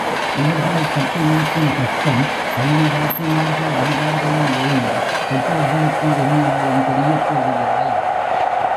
இவர்களைக் கட்டிமேய்க்கும் கஷ்டம் பள்ளி வாத்திமார்கள் அறிவார்களேயொழிய, பெற்றோர்களுக்கு ஒரு நாளும் தெரியப்போவதில்லை.